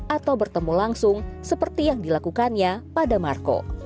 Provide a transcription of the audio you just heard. atau bertemu langsung seperti yang dilakukannya pada marco